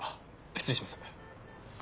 失礼します。